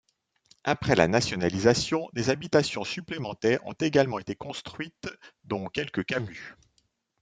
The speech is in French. Après la Nationalisation, des habitations supplémentaires ont également été construites, dont quelques camus.